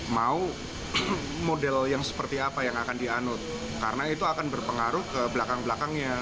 mau model yang seperti apa yang akan dianut karena itu akan berpengaruh ke belakang belakangnya